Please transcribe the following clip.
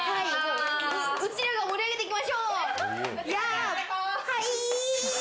うちらが盛り上げていきましょう！